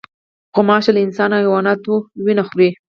غوماشه له انسان او حیوانه وینه خوري.